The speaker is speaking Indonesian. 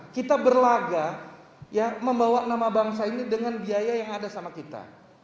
kita berlaga membawa nama bangsa ini dengan biaya yang ada sama kita